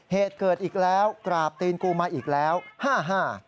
เหตุเกิดอีกแล้วกราบตีนกูมาอีกแล้วห้าห้า